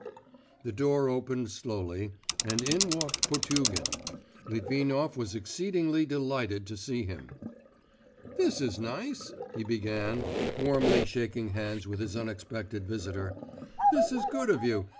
_' The door opened slowly and in walked Potugin. Litvinov was exceedingly delighted to see him. 'This is nice!' he began, warmly shaking hands with his unexpected visitor, 'this is good of you!